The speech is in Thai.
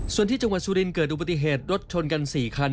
ส่วนที่จังหวัดสุรินเกิดอุบัติเหตุรถชนกัน๔คัน